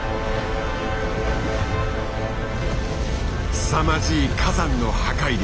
すさまじい火山の破壊力。